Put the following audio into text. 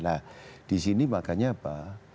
nah di sini makanya apa